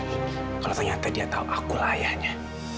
kalau ternyata dia tahu aku ayahnya